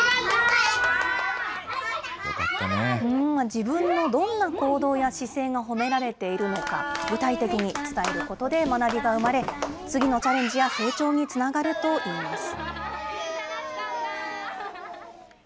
自分のどんな行動や姿勢が褒められているのか、具体的に伝えることで学びが生まれ、次のチャレンジや成長につながるといいます。